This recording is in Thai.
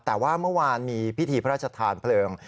แต่ว่าเมื่อวานมีพิธีพระราชทานเพลิง